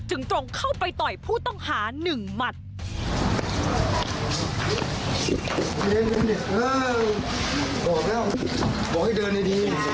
จึงตรงเข้าไปต่อยผู้ต้องหา๑มัตต์